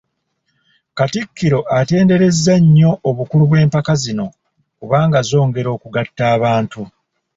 Katikkiro atenderezza nnyo obukulu bw'empaka zino kubanga zongera okugatta abantu